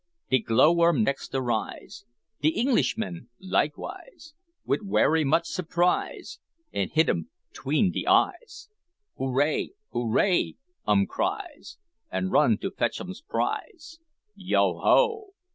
De glow worm next arise, De Englishman likewise Wid werry much surprise, An' hit um 'tween de eyes, "Hooray! hooray!" um cries, An' run to fetch um's prize Yo ho!